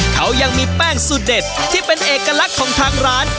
เขายังมีแป้งสูตรเด็ดที่เป็นเอกลักษณ์ของทางร้าน